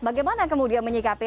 bagaimana kemudian menyikapi